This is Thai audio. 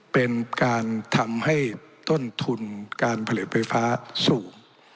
เป็นการทำให้ต้นทุนการผลิตไฟฟ้าสูง